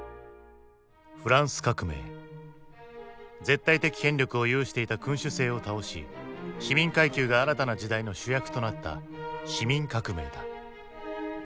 絶対的権力を有していた君主制を倒し市民階級が新たな時代の主役となった市民革命だ。